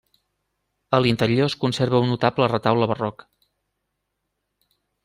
A l'interior es conserva un notable retaule barroc.